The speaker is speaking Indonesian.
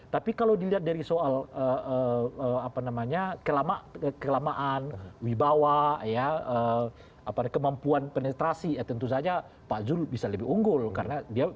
tapi kalau dilihat dari soal kelamaan wibawa kemampuan penetrasi tentu saja pak jul bisa lebih unggul karena dia menjadi ketua umum gitu